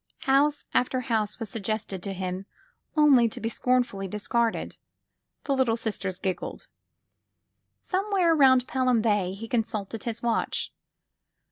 House after house was suggested to him only to be scornfully discarded. The Little Sisters girled. Somewhere round Pelham Bay he consulted his watch.